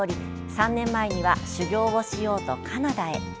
３年前には修業をしようとカナダへ。